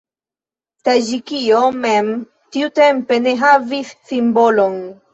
Taĝikio mem tiutempe ne havis simbolon.